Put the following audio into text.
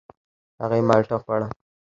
هغې مالټه خوړه.